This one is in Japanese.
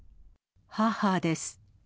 母です。